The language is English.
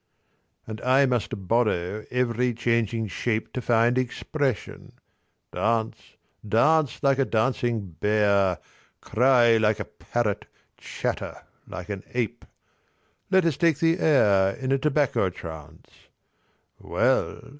And I must borrow every changing shape To find expression... dance, dance Like a dancing bear, Cry like a parrot, chatter like an ape. Let us take the air, in a tobacco trance Well!